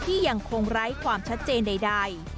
ยังคงไร้ความชัดเจนใด